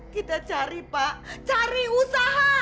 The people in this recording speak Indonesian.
kita cari pak cari usaha